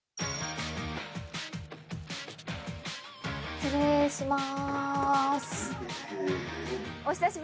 失礼します。